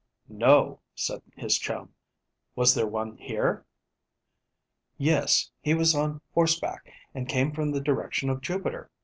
"No," said his chum. "Was there one here?" "Yes. He was on horseback, and came from the direction of Jupiter.